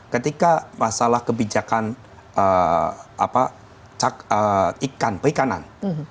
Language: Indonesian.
ketika masalah kebijakan perikanan